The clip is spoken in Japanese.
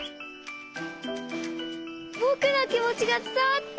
ぼくのきもちがつたわった！